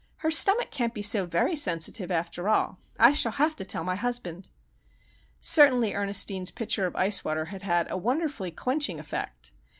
Her stummick can't be so very sensitive, after all! I shall have to tell my husband!" Certainly, Ernestine's pitcher of ice water had had a wonderfully quenching effect!